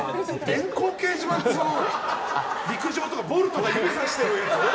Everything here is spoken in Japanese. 電光掲示板って陸上とかボルトが指さしてるやつね。